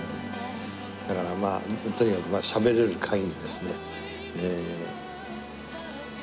だからまあとにかくしゃべれる限りですね。